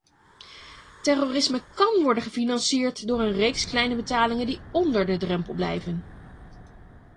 Terrorisme kan worden gefinancierd door een reeks kleine betalingen die onder de drempel blijven.